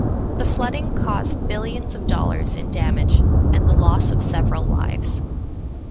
The flooding caused billions of dollars in damage and the loss of several lives.